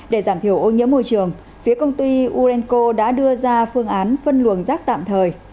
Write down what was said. để giảm thiểu ô nhiễm môi trường phía công ty urenco đã đưa ra phương án phân luồng rác tạm thời